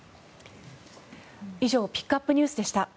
以上ピックアップＮＥＷＳでした。